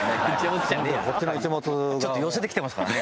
ちょっと寄せてきてますからね